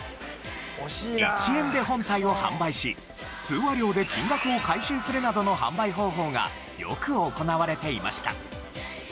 １円で本体を販売し通話料で金額を回収するなどの販売方法がよく行われていました。